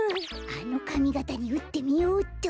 あのかみがたにうってみようっと。